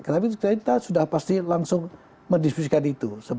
tapi kita sudah pasti langsung mendiskusikan itu